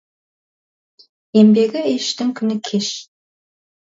Еңбегі ештің күні кеш.